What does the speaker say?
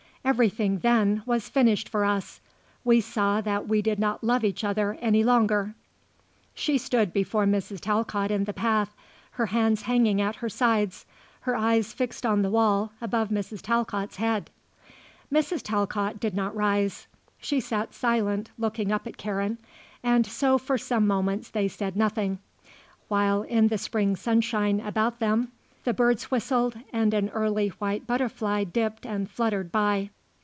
Everything, then, was finished for us. We saw that we did not love each other any longer." She stood before Mrs. Talcott in the path, her hands hanging at her sides, her eyes fixed on the wall above Mrs. Talcott's head. Mrs. Talcott did not rise. She sat silent, looking up at Karen, and so for some moments they said nothing, while in the spring sunshine about them the birds whistled and an early white butterfly dipped and fluttered by.